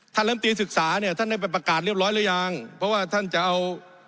ลำตีศึกษาเนี่ยท่านได้ไปประกาศเรียบร้อยหรือยังเพราะว่าท่านจะเอา